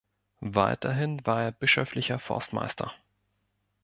Weiterhin war er bischöflicher Forstmeister.